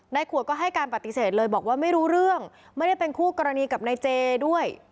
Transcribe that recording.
ขวดก็ให้การปฏิเสธเลยบอกว่าไม่รู้เรื่องไม่ได้เป็นคู่กรณีกับนายเจด้วย